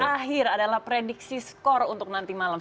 terakhir adalah prediksi skor untuk nanti malam